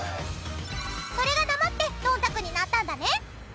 それが訛って「どんたく」になったんだね！